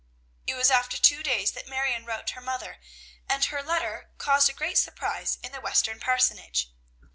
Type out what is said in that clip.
It was after two days that Marion wrote her mother, and her letter caused a great surprise in the Western parsonage.